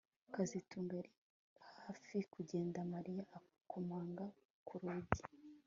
kazitunga yari hafi kugenda Mariya akomanga ku rugi